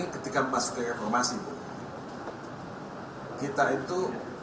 apakah tadi yang bapak bilang kemudian ada perangkat yang diatur